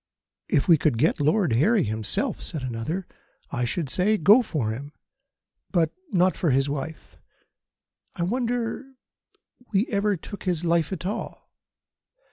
"If we could get Lord Harry himself," said another, "I should say: Go for him, but not for his wife. I wonder we ever took his life at all.